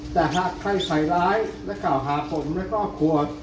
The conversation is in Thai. แต่หากใครใส่ร้ายและกล่าวหาผมและครอบครัว